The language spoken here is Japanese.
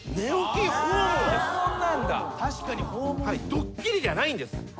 ドッキリじゃないんです。